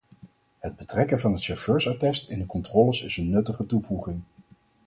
Het betrekken van het chauffeursattest in de controles is een nuttige toevoeging.